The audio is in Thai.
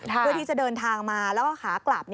เพื่อที่จะเดินทางมาแล้วก็ขากลับ